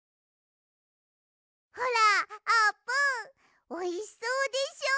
ほらあーぷんおいしそうでしょ？